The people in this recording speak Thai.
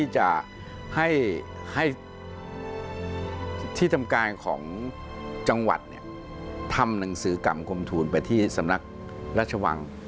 จำการของจังหวัดเนี่ยทำหนังสือกรรมคมทูลไปที่สำนักรัชวัง